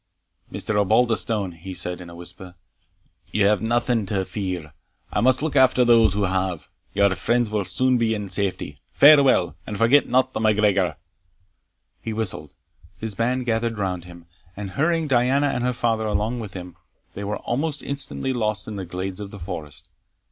"Mr. Osbaldistone," he said, in a whisper, "you have nothing to fear I must look after those who have Your friends will soon be in safety Farewell, and forget not the MacGregor." He whistled his band gathered round him, and, hurrying Diana and her father along with him, they were almost instantly lost in the glades of the forest.